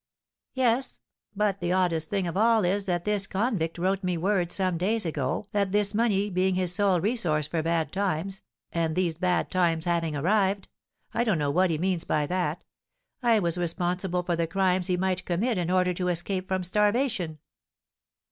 "Yes; but the oddest thing of all is that this convict wrote me word some days ago that this money being his sole resource for bad times, and these bad times having arrived (I don't know what he means by that), I was responsible for the crimes he might commit in order to escape from starvation."